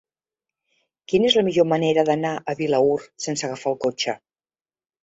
Quina és la millor manera d'anar a Vilaür sense agafar el cotxe?